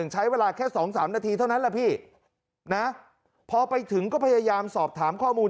ใช้เวลาแค่๒๓นาทีเท่านั้นแหละพี่นะพอไปถึงก็พยายามสอบถามข้อมูล